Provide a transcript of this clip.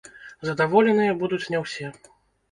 Задаволеныя будуць не ўсе.